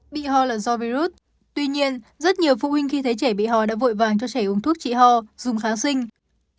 bị ho là do virus tuy nhiên rất nhiều phụ huynh khi thấy trẻ bị ho đã vội vàng cho trẻ uống thuốc trị ho dùng kháng sinh